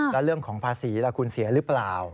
แล้วเรื่องของภาษีล่ะคุณเสียหรือเปล่า